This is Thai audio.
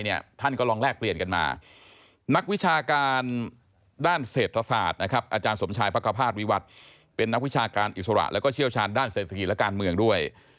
แล้วก็เชี่ยวชาญด้านเศรษฐกิจและการเมืองด้วย